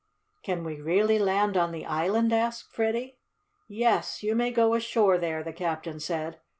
"Can we really land on the island?" asked Freddie. "Yes, you may go ashore there," the captain said.